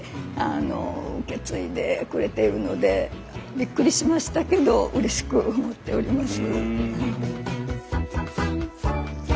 びっくりしましたけどうれしく思っております。